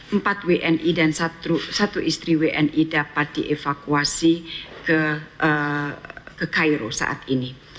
empat wni dan satu istri wni dapat dievakuasi ke cairo saat ini